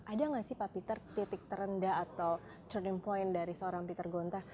ada nggak sih pak peter titik terendah atau turnam point dari seorang peter gonta